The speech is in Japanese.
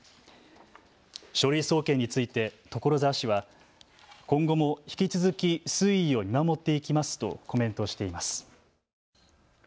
書類送検について所沢市は今後も引き続き推移を見守っていきますとコメントしています。